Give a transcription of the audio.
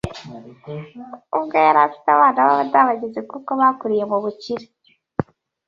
Ubwo yari afite abana b’abadabagizi kuko bakuriye mu bukire